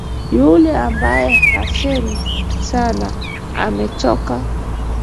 Yule ambaye hasemi sana, ametoka.